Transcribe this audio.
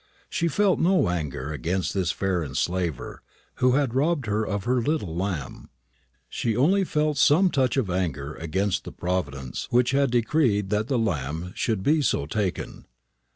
She felt no anger against this fair enslaver, who had robbed her of her little lamb. She only felt some touch of anger against the Providence which had decreed that the lamb should be so taken.